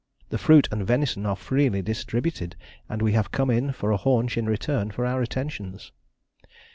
The fruit and venison are freely distributed, and we have come in for a haunch in return for our attentions.